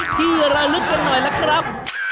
ที่ระลึกกันหน่อยล่ะครับ